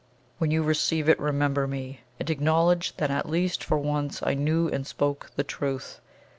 When you receive it remember me, and acknowledge that at least for once I knew and spoke the truth.